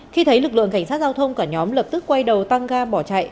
khi thấy lực lượng cảnh sát giao thông cả nhóm lập tức quay đầu tăng ga bỏ chạy